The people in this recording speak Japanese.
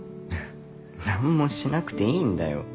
何もしなくていいんだよ。